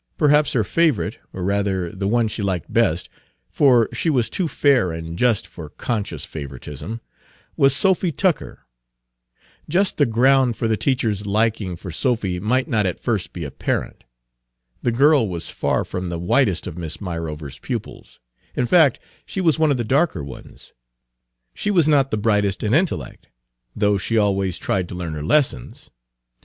Perhaps her favorite or, rather, the one she liked best, for she was too fair and just for conscious favoritism was Sophy Tucker. Just the ground for the teacher's liking for Sophy might not at first be apparent. The girl was far from the whitest of Miss Myrover's pupils; in fact, she was one of the darker ones. She was not the brightest in intellect, though she always tried to learn her lessons.